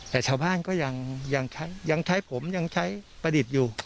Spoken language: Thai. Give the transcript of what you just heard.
แต่ชาวบ้านก็ยังใช้ผมยังใช้ประดิษฐ์อยู่